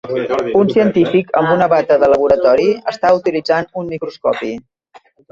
Un científic amb una bata de laboratori està utilitzant un microscopi.